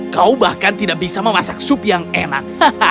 kau bahkan tidak bisa memasak sup yang enak